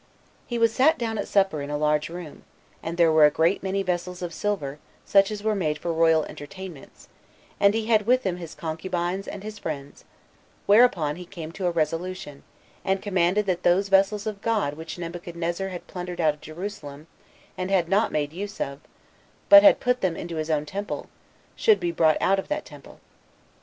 He was sat down at supper in a large room, and there were a great many vessels of silver, such as were made for royal entertainments, and he had with him his concubines and his friends; whereupon he came to a resolution, and commanded that those vessels of God which Nebuchadnezzar had plundered out of Jerusalem, and had not made use of, but had put them into his own temple, should be brought out of that temple.